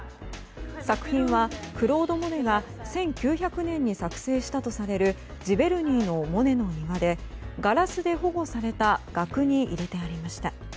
作品はクロード・モネが１９００年に作成したとされる「ジベルニーのモネの庭」でガラスで保護された額に入れてありました。